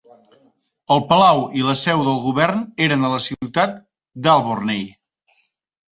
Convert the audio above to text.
El Palau i la seu del govern eren a la ciutat d'Aborney.